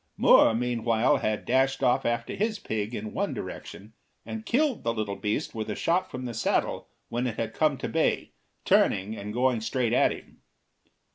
Moore meanwhile had dashed off after his pig in one direction, and killed the little beast with a shot from the saddle when it had come to bay, turning and going straight at him.